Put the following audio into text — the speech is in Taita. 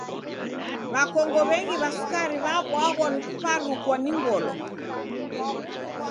W'akongo w'engi wa sukari w'abwaghwa ni kuparukwa ni ngolo